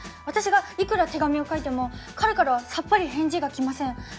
私がいくら手紙を書いても彼からはさっぱり返事が来ません。